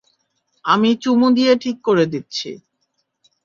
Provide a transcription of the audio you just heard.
আমি চুমু দিয়ে ঠিক করে দিচ্ছি।